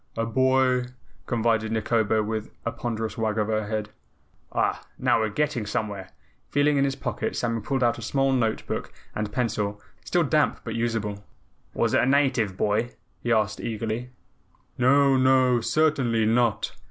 "A boy," confided Nikobo with a ponderous wag of her head. "Ah, now we're getting somewhere." Feeling in his pocket, Samuel pulled out a small note book and pencil, still damp but usable. "Was it a native boy?" he asked eagerly. "No, no, certainly NOT."